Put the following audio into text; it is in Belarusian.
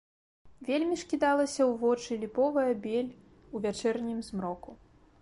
Вельмі ж кідалася ў вочы ліповая бель у вячэрнім змроку!